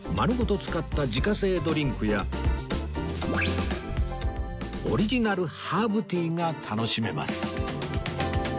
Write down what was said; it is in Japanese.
使った自家製ドリンクやオリジナルハーブティーが楽しめます